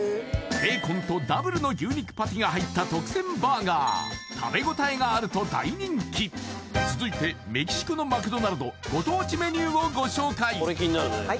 ベーコンとダブルの牛肉パティが入った特選バーガー続いてメキシコのマクドナルドご当地メニューをご紹介はい